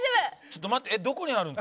ちょっと待って。